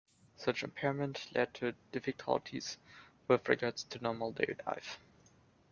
Such impairment led to difficulties with regards to normal daily life.